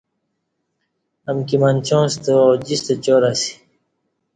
امکی منچاں ستہ اوجیستہ چار اسی